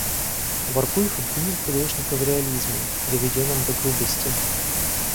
Воркуев обвинял художника в реализме, доведенном до грубости.